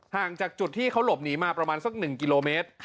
ห่างจากจุดที่เขาหลบหนีมาประมาณสัก๑กิโลเมตร